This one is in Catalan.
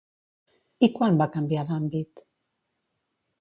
I quan va canviar d'àmbit?